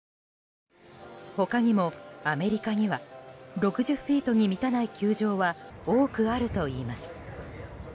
他にもアメリカには６０フィートに満たない球場は多くあるといいます。